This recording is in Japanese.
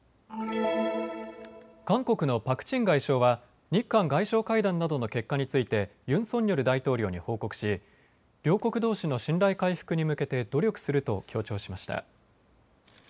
韓国のパク・チン外相は日韓外相会談などの結果についてユン・ソンニョル大統領に報告し両国どうしの信頼回復に向けて努力すると強調しました。